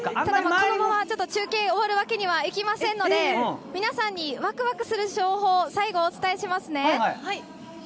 このまま中継終わるわけにはいきませんので皆さんにワクワクする情報を最後、お伝えしますね。